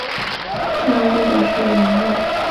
最高地点是礼文岳。